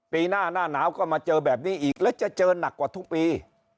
ปีหน้าหน้าหนาวก็มาเจอแบบนี้อีกแล้วจะเจอหนักกว่าทุกปี